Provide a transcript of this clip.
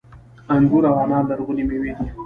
انګور او انار لرغونې میوې دي